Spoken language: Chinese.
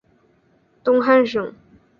东汉省。